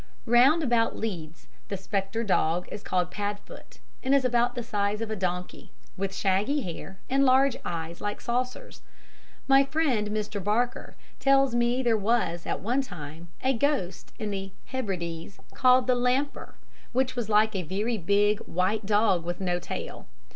Round about Leeds the spectre dog is called "Padfoot," and is about the size of a donkey, with shaggy hair and large eyes like saucers. My friend Mr. Barker tells me there was, at one time, a ghost in the Hebrides called the Lamper, which was like a very big, white dog with no tail.